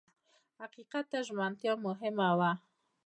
حقیقت ته ژمنتیا مهمه وه.